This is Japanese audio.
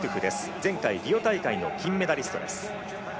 前回リオ大会の金メダリストです。